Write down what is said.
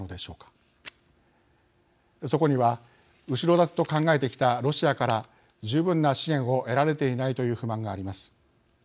そこには後ろ盾と考えてきたロシアから十分な支援を得られていないという不満があります。